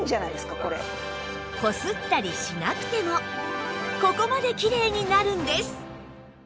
こすったりしなくてもここまできれいになるんです